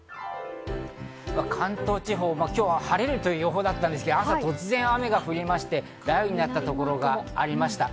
関東地方、今日は晴れるという予報だったんですが、朝、突然雨が降りまして、雷雨になったところがありました。